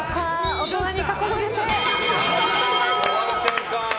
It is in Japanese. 大人に囲まれて。